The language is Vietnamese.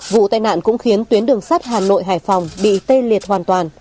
vụ tai nạn cũng khiến tuyến đường sắt hà nội hải phòng bị tê liệt hoàn toàn